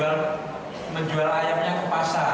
karena kita sudah menjual ayamnya ke pasar